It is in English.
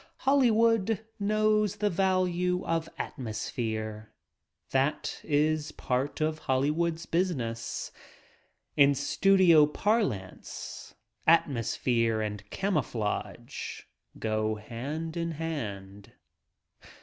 Hollywood knows the value of "atmosphere." That is part of Hollywood's business. In studio parlance "atmosphere" and camouflage go hand in hand.